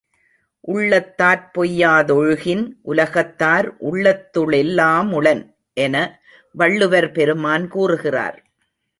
உள்ளத்தாற் பொய்யா தொழுகின் உலகத்தார் உள்ளத்து ளெல்லா முளன் என வள்ளுவர் பெருமான் கூறுகிறார்.